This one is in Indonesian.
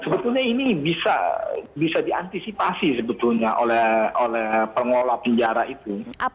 sebetulnya ini bisa diantisipasi sebetulnya oleh pengelola penjara itu